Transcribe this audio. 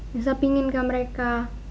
nisa pinginkan mereka